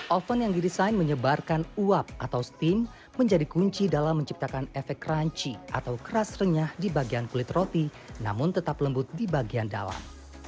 oven yang didesain menyebarkan uap atau steam menjadi kunci dalam menciptakan efek crunchy atau keras renyah di bagian kulit roti namun tetap lembut di bagian dalam